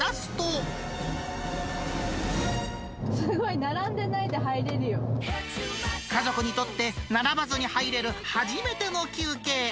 すごい、並んでないで入れる家族にとって、並ばずに入れる初めての休憩。